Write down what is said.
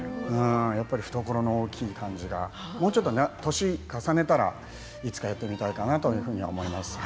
懐の大きい感じがもうちょっと年を重ねたらいつかやってみたいかなというふうに思います。